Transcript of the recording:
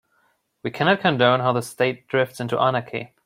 We cannot condone how the state drifts into anarchy.